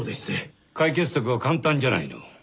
解決策は簡単じゃないの。